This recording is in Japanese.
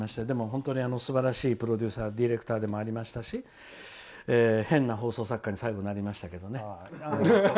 本当にすばらしいプロデューサーディレクターでもありましたけど変な放送作家に最後、なりましたけど。